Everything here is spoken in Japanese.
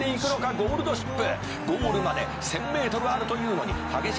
「ゴールドシップ